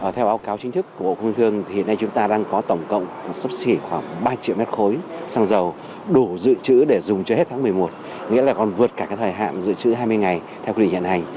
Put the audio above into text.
theo báo cáo chính thức của bộ công thương thì hiện nay chúng ta đang có tổng cộng sấp xỉ khoảng ba triệu mét khối xăng dầu đủ dự trữ để dùng cho hết tháng một mươi một nghĩa là còn vượt cả thời hạn dự trữ hai mươi ngày theo quy định hiện hành